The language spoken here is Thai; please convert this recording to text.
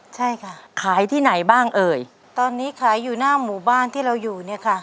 ใช่ค่ะขายที่ไหนบ้างเอ่ยตอนนี้ขายอยู่หน้าหมู่บ้านที่เราอยู่เนี่ยค่ะ